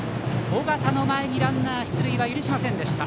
緒方の前にランナー出塁は許しませんでした。